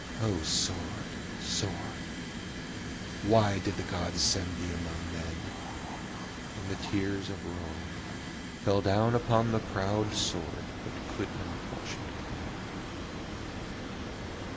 O sword! sword! why did the gods send thee among men?' And the tears of Rold fell down upon the proud sword but could not wash it clean.